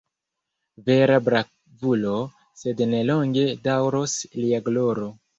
Vera bravulo, sed ne longe daŭros lia gloro!